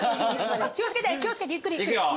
気を付けて気を付けてゆっくりゆっくり。